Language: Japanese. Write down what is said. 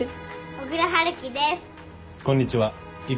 小椋春樹です。